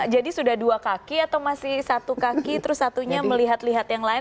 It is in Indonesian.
jadi sudah dua kaki atau masih satu kaki terus satunya melihat lihat yang lain